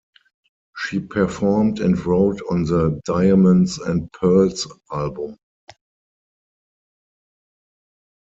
She performed and wrote on the "Diamonds and Pearls" album.